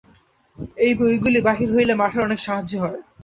ঐ বইগুলি বাহির হইলে মঠের অনেক সাহায্য হয়।